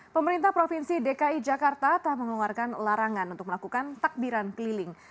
pemerintah provinsi dki jakarta telah mengeluarkan larangan untuk melakukan takbiran keliling